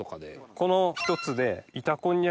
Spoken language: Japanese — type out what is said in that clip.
この１つで。